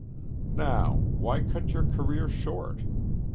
Now why cut your career short?